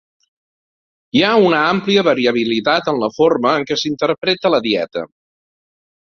Hi ha una àmplia variabilitat en la forma en què s'interpreta la dieta.